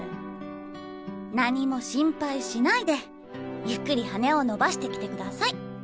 何も心配しないでゆっくり羽を伸ばしてきてください。